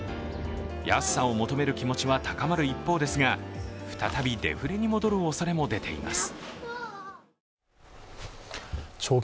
安さを求める気持ちは高まる一方ですが再びデフレに戻るおそれも出ています。